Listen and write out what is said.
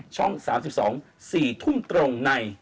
ช่อง๓๒๔๐๐๐ตรงใน